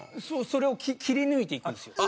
それを切り抜いていくんですよ。